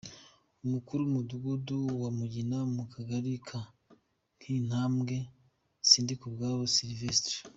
Umukuru w’Umudugudu wa Mugina mu Kagari ka Kintambwe, Sindikubwaho Syvestre